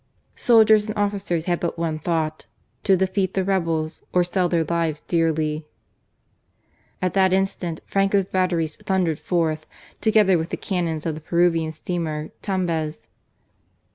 Soldiers and officers had but one thought, to defeat the rebels or sell their lives dearly. At that instant Franco's batteries thundered forth, together with the cannons of the Peruvian steamer Tumbez.